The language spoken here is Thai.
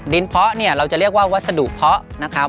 เพาะเนี่ยเราจะเรียกว่าวัสดุเพาะนะครับ